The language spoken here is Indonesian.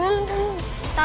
ya aku mau makan